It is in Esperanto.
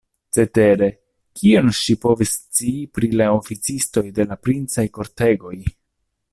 Cetere, kion ŝi povis scii pri la oficistoj de la princaj kortegoj!